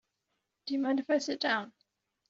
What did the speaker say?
Do you mind if I sit down?